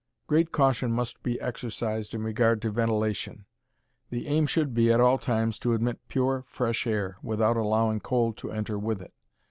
Great caution must be exercised in regard to ventilation. The aim should be, at all times, to admit pure, fresh air without allowing cold to enter with it.